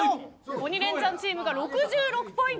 鬼レンチャンチームが６６ポイント。